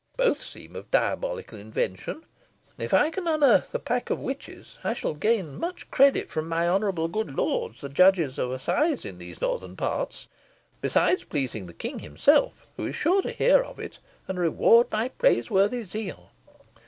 Both seem of diabolical invention. If I can unearth a pack of witches, I shall gain much credit from my honourable good lords the judges of assize in these northern parts, besides pleasing the King himself, who is sure to hear of it, and reward my praiseworthy zeal.